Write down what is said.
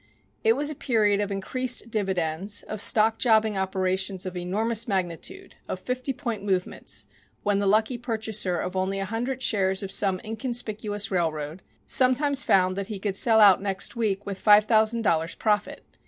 It was a period of increased dividends, of stock jobbing operations of enormous magnitude, of "fifty point movements," when the lucky purchaser of only a hundred shares of some inconspicuous railroad sometimes found that he could sell out next week with five thousand dollars' profit.